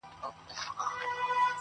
گراني دا هيله كوم~